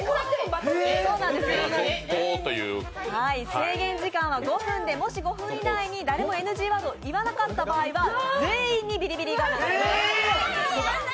制限時間は５分で、もし５分以内に誰もＮＧワードを言わなかった場合は全員にビリビリがかかります。